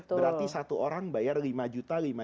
berarti satu orang bayar lima juta